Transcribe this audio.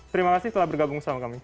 terima kasih telah bergabung sama kami